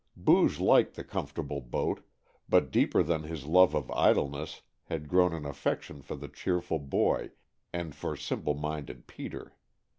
Booge liked the comfortable boat, but deeper than his love of idleness had grown an affection for the cheerful boy and for simple minded Peter.